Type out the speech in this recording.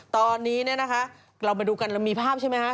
ตอนนี้เนี่ยนะคะเรามาดูกันเรามีภาพใช่ไหมคะ